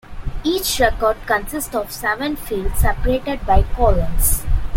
Each record consists of seven fields separated by colons.